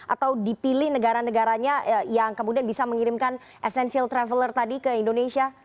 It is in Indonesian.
atau dipilih negara negaranya yang kemudian bisa mengirimkan essential traveler tadi ke indonesia